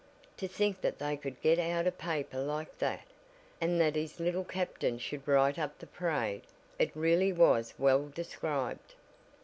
To think that they could get out a paper like that! And that his Little Captain should write up the parade. It really was well described.